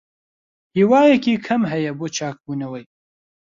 هیوایەکی کەم هەیە بۆ چاکبوونەوەی.